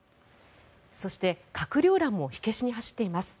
そして閣僚らも火消しに走っています。